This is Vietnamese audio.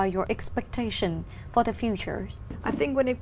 tôi có một câu hỏi